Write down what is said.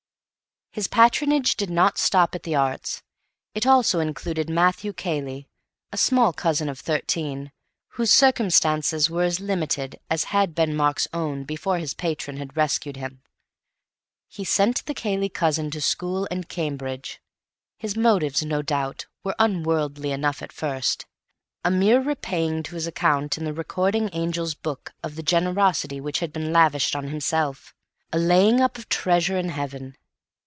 His patronage did not stop at the Arts. It also included Matthew Cayley, a small cousin of thirteen, whose circumstances were as limited as had been Mark's own before his patron had rescued him. He sent the Cayley cousin to school and Cambridge. His motives, no doubt, were unworldly enough at first; a mere repaying to his account in the Recording Angel's book of the generosity which had been lavished on himself; a laying up of treasure in heaven.